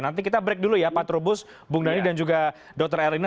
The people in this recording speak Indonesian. nanti kita break dulu ya pak trubus bung dhani dan juga dr erlina